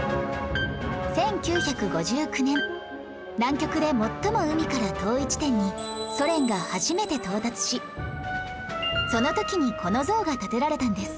１９５９年南極で最も海から遠い地点にソ連が初めて到達しその時にこの像が立てられたんです